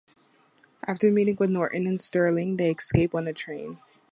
After meeting with Norton and Stirling, they escape on a train.